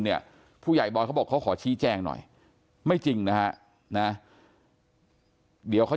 เนี่ยผู้ใหญ่บอยเขาบอกเขาขอชี้แจงหน่อยไม่จริงนะฮะนะเดี๋ยวเขา